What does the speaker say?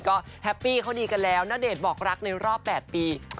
ก็แฮปปี้เขาดีกันแล้วณเดชน์บอกรักในรอบ๘ปี